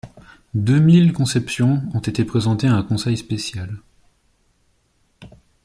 Deux mille conceptions ont été présentées à un Conseil spécial.